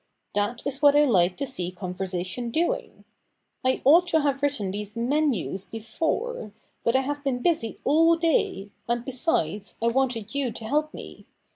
That is what I like to see conversation doing. I ought to have written these menus before ; but I have been busy all day, and, besides, I wanted you to help me.